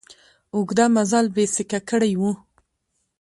اوږده مزل بېسېکه کړی و.